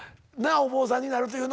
お坊さんになるというので。